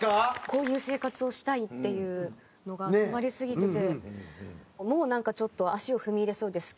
こういう生活をしたいっていうのが詰まりすぎててもうなんかちょっと足を踏み入れそうです